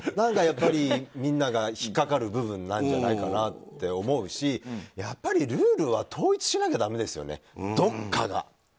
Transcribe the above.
みんなが引っ掛かる部分なんじゃないかなって思うしやっぱりルールは統一しなきゃだめですよねどこかが。